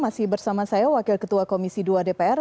masih bersama saya wakil ketua komisi dua dpr